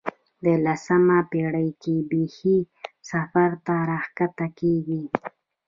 په لسمه پېړۍ کې بېخي صفر ته راښکته کېږي.